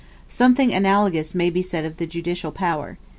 Something analogous may be said of the judicial power.